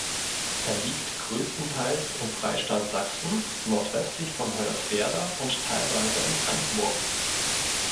Er liegt größtenteils im Freistaat Sachsen nordwestlich von Hoyerswerda und teilweise in Brandenburg.